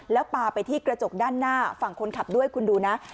แล้วปลาไปที่กระจกด้านหน้าฝั่งคนขับด้วยคุณดูนะ